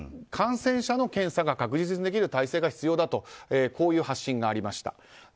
感染者の検査が確実にできる体制が必要だという発信がありました。